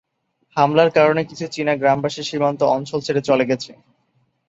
হামলার কারণে কিছু চীনা গ্রামবাসী সীমান্ত অঞ্চল ছেড়ে চলে গেছে।